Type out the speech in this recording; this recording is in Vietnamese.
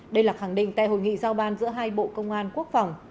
đây là khẳng định tại hội nghị giao ban giữa hai bộ công an quốc phòng